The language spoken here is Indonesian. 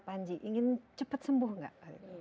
panji ingin cepat sembuh nggak